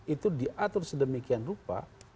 itu diatur sedemikian rupa